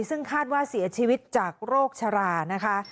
ซึ่งคาดว่าเสียชีวิตจากโรคชรานะคะ